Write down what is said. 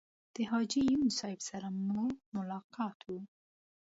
د حاجي یون صاحب سره مو ملاقات و.